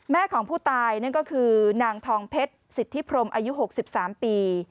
ของผู้ตายนั่นก็คือนางทองเพชรสิทธิพรมอายุ๖๓ปี